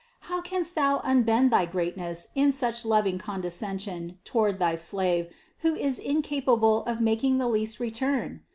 How canst Thou unbend thy greatness in such loving condescension toward thy slave, who is incapable of making the least return?